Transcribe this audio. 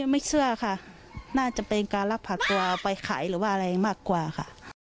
ไม่เชื่อค่ะน่าจะเป็นการรักผัดตัวไปขายหรือว่าอะไรมากกว่าค่ะ